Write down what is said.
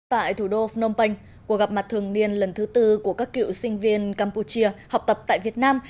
tại thủ đô phnom penh cuộc gặp mặt thường niên lần thứ tư của các cựu sinh viên campuchia học tập tại việt nam